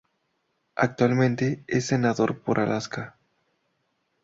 Actualmente es senador por Alaska.